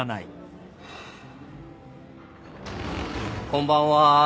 こんばんは。